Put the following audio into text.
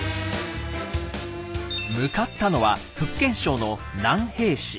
向かったのは福建省の南平市。